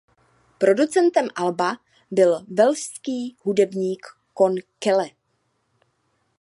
Producentem alba byl velšský hudebník John Cale.